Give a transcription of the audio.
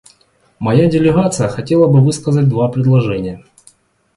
Моя делегация хотела бы высказать два предложения.